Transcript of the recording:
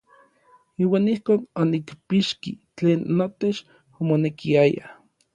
Iuan ijkon onikpixki tlen notech omonekiaya.